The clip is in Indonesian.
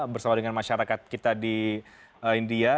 bersama dengan masyarakat kita di india